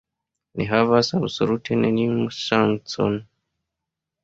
Ni havas absolute neniun ŝancon.